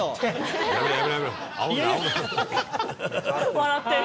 笑ってる。